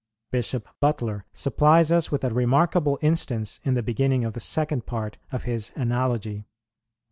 Bishop Butler supplies us with a remarkable instance in the beginning of the Second Part of his "Analogy."